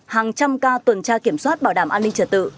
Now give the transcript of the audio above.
hàng trăm ca tuần tra kiểm soát bảo đảm an ninh trật tự